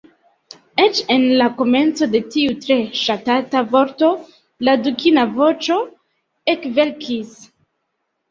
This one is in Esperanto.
Eĉ en la komenco de tiu tre ŝatata vorto, la dukina voĉo ekvelkis.